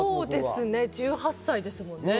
１８歳ですもんね。